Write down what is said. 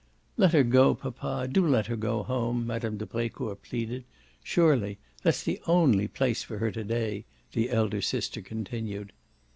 "Let her go, papa do let her go home," Mme. de Brecourt pleaded. "Surely. That's the only place for her to day," the elder sister continued.